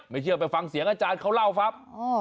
เชื่อไปฟังเสียงอาจารย์เขาเล่าครับ